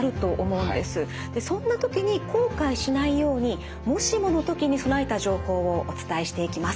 そんな時に後悔しないようにもしもの時に備えた情報をお伝えしていきます。